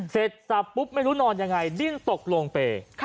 เสร็จสับปุ๊บไม่รู้นอนยังไงดิ้นตกลงไป